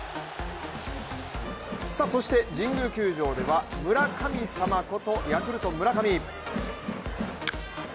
そして神宮球場では、村神様こと、ヤクルト・村上。